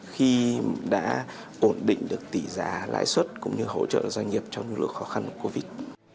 khi đã ổn định được tỷ giá lãi xuất cũng như hỗ trợ doanh nghiệp trong những lượng khó khăn của covid